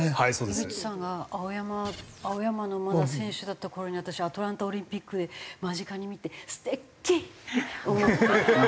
井口さんが青山青山のまだ選手だった頃に私アトランタオリンピックで間近に見て素敵！って思った。